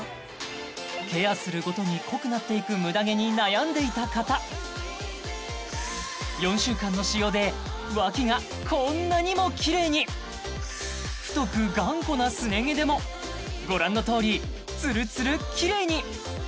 ケアするごとに濃くなっていくムダ毛に悩んでいた方４週間の使用でワキがこんなにもキレイに太く頑固なすね毛でもご覧のとおりつるつるキレイに！